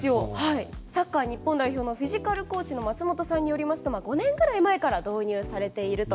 サッカー日本代表のフィジカルコーチの松本さんによりますと５年ぐらい前から導入されていると。